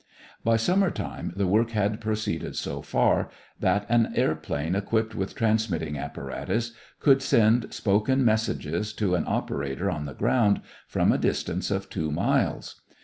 By summer time the work had proceeded so far that an airplane equipped with transmitting apparatus could send spoken messages to an operator on the ground from a distance of two miles.